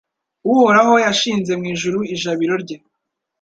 Uhoraho yashinze mu ijuru ijabiro rye